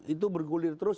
itu bergulir terus